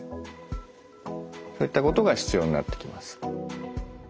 こういったことが必要になってきます。